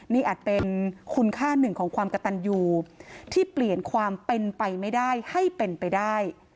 นี่อาจเป็นคุณค่าหนึ่งของความกระตันอยู่ที่เปลี่ยนความเป็นไปไม่ได้ให้เป็นไปได้